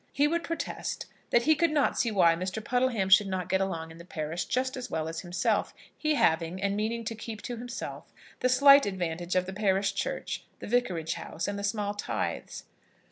He would protest that he could not see why Mr. Puddleham should not get along in the parish just as well as himself, he having, and meaning to keep to himself, the slight advantages of the parish church, the vicarage house, and the small tithes.